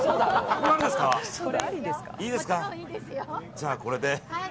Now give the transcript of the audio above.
じゃあ、これで。